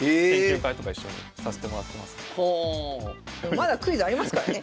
まだクイズありますからね。